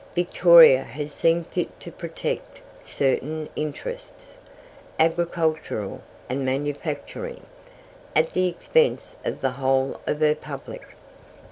Victoria has seen fit to protect certain interests, agricultural and manufacturing, at the expense of the whole of her public.